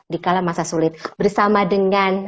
di kala masa sulit bersama dengan